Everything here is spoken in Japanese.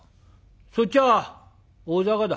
そっちは大坂だ。